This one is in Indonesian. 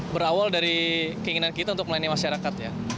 berawal dari keinginan kita untuk melayani masyarakat ya